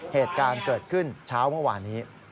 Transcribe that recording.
เหตุการณ์เกิดขึ้นเช้าเมื่อวานนี้